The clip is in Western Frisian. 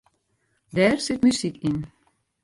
Dêr sit muzyk yn.